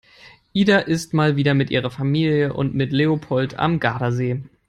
Ida ist mal wieder mit ihrer Familie und mit Leopold am Gardasee.